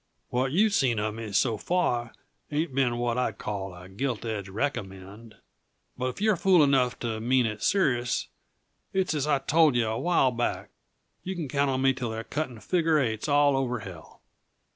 "What you've seen uh me, so far, ain't been what I'd call a gilt edge recommend. But if you're fool enough to mean it serious, it's as I told yuh a while back: Yuh can count on me till they're cutting figure eights all over hell."